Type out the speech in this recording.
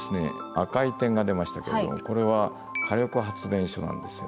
赤い点が出ましたけれどもこれは火力発電所なんですよ。